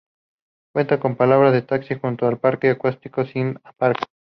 Cuenta con parada de taxis junto al parque acuático Siam Park.